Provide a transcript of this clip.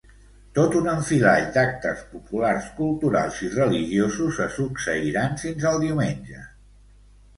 Tot un enfilall d'actes populars, culturals i religiosos se succeiran fins al diumenge.